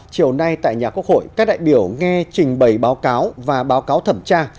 chiều nay tại nhà quốc hội các đại biểu nghe trình bày báo cáo và báo cáo thẩm tra